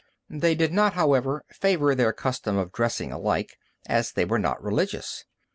They did not, however, favor their custom of dressing alike, as they were not Religious.